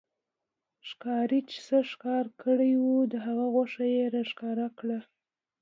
ښکارې چې څه ښکار کړي وو، د هغه غوښه يې را ښکاره کړه